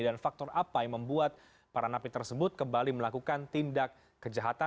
dan faktor apa yang membuat para napi tersebut menyebabkan kebijakan yang tidak terjadi